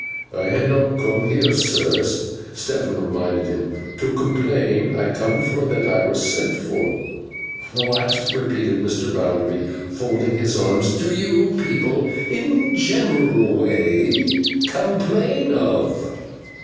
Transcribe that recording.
'I ha' not coom here, sir,' Stephen reminded him, 'to complain. I coom for that I were sent for.' 'What,' repeated Mr. Bounderby, folding his arms, 'do you people, in a general way, complain of?